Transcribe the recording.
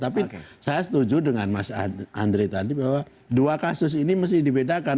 tapi saya setuju dengan mas andre tadi bahwa dua kasus ini mesti dibedakan